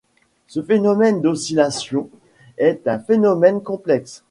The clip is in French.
Ce phénomène d'oscillation est un phénomène complexe.